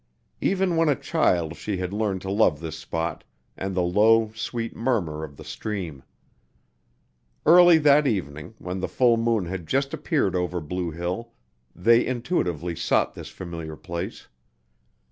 Even when a child she had learned to love this spot, and the low, sweet murmur of the stream. Early that evening, when the full moon had just appeared over Blue Hill, they intuitively sought this familiar place.